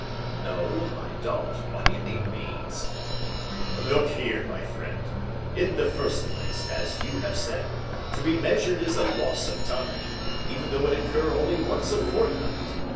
"No, I don't by any means." "Look here, my friend. In the first place, as you have said, to be measured is a loss of time, even though it occur only once a fortnight.